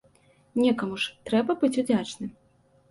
Некаму ж трэба быць удзячным.